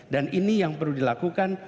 dan ini yang perlu dilakukan